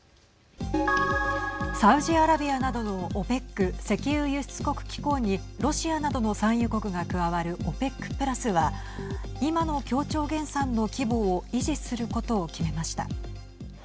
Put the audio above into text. サウジアラビアなどのＯＰＥＣ＝石油輸出国機構にロシアなどの産油国が加わるＯＰＥＣプラスは今の協調減産の規模を維持することを決めました。